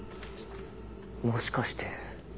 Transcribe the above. もしかして。